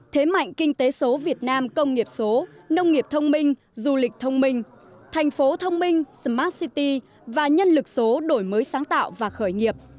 thế mạnh kinh tế số việt nam công nghiệp số nông nghiệp thông minh du lịch thông minh thành phố thông minh smart city và nhân lực số đổi mới sáng tạo và khởi nghiệp